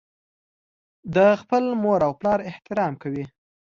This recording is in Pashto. د خپل مور او پلار احترام کوي.